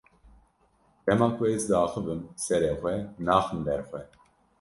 Dema ku ez diaxivim, serê xwe naxim ber xwe.